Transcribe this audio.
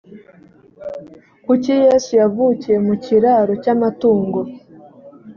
kuki yesu yavukiye mu kiraro cy amatungo